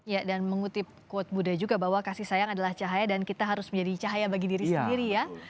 ya dan mengutip quote buddha juga bahwa kasih sayang adalah cahaya dan kita harus menjadi cahaya bagi diri sendiri ya